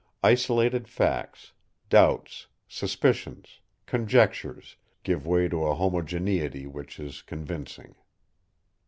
Isolated facts, doubts, suspicions, conjectures, give way to a homogeneity which is convincing.